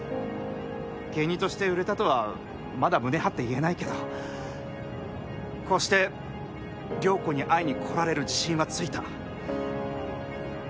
芸人として売れたとはまだ胸張って言えないけどこうして亮子に会いに来られる自信はついた。